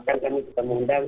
akan kami mengundang